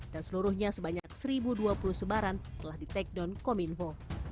dan seluruhnya sebanyak seribu dua puluh sebaran telah di take down kominfo